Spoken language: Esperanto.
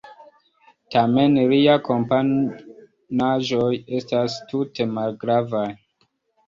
Tamen liaj komponaĵoj estas tute malgravaj.